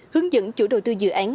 hướng dẫn chủ đầu tư dự án